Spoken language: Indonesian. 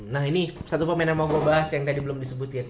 nah ini satu pemain yang mau gue bahas yang tadi belum disebutin